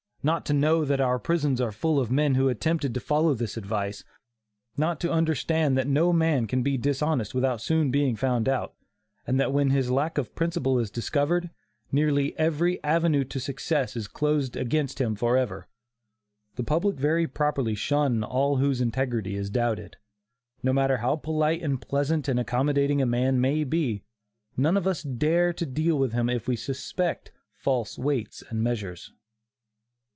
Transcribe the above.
not to know that our prisons are full of men who attempted to follow this advice; not to understand that no man can be dishonest without soon being found out, and that when his lack of principle is discovered, nearly every avenue to success is closed against him forever. The public very properly shun all whose integrity is doubted. No matter how polite and pleasant and accommodating a man may be, none of us dare to deal with him if we suspect "false weights and measures."